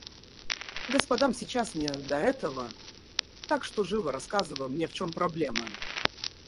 Господам сейчас не до этого, так что живо рассказывай мне в чем проблема.